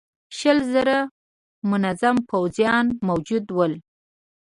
شل زره منظم پوځيان موجود ول.